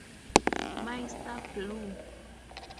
Mister Blue